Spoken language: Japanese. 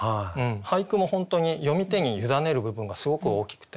俳句も本当に読み手に委ねる部分がすごく大きくて。